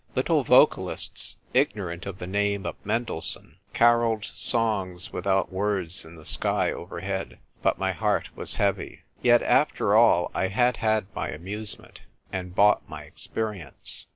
Little vocalists, ignorant of the name of Mendelssohn, carolled songs without words in the sky overhead : but my heart was heavy. Yet, after all, I had had my amusement, and bought my experience.